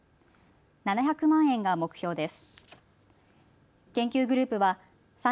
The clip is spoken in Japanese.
７００万円が目標です。